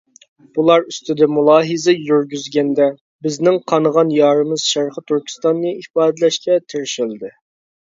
بۇلار ئۈستىدە مۇلاھىزە يۈرگۈزگەندە ، بىزنىڭ قانىغان يارىمىز شەرقىي تۈركىستاننى ئىپادىلەشكە تىرىشىلدى.